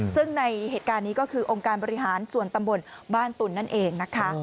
ซึ่งในเหตุการณ์นี้ก็คือองค์การบริหารส่วนตำบลบ้านตุ๋นนั่นเองนะคะ